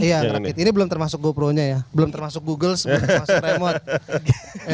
iya rakit ini belum termasuk gopro nya ya belum termasuk google sebelum masuk remote